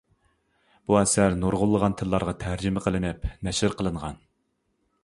بۇ ئەسەر نۇرغۇنلىغان تىللارغا تەرجىمە قىلىنىپ، نەشر قىلىنغان.